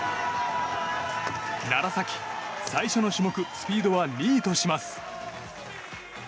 楢崎、最初の種目スピードは２位とします。